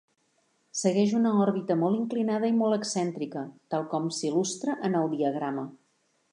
Segueix una òrbita molt inclinada i molt excèntrica, tal com s'il·lustra en el diagrama.